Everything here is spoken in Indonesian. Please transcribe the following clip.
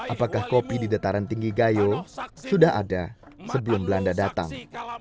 apakah kopi di dataran tinggi gayo sudah ada sebelum belanda datang